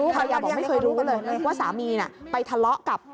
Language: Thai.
ภรรยาบอกไม่เคยรู้กันเลยว่าสามีไปทะเลาะกับ